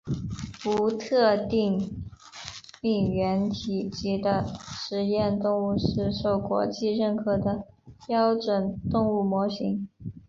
无特定病原体级的实验动物是受国际认可的标准动物模型。